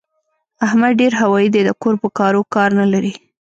احمد ډېر هوايي دی؛ د کور په کارو کار نه لري.